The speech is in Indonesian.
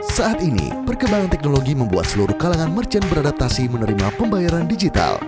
saat ini perkembangan teknologi membuat seluruh kalangan merchant beradaptasi menerima pembayaran digital